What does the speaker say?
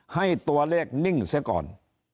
ให้ตัวเลขนิ่งซะก่อน